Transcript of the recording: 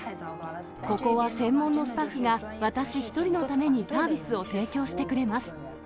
ここは専門のスタッフが、私一人のためにサービスを提供してくれます。